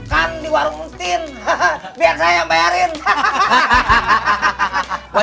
saya min rebus ceh